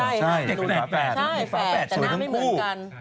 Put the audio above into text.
ใช่แต่หน้าไม่เหมือนกัน